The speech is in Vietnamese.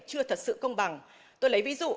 chưa thật sự công bằng tôi lấy ví dụ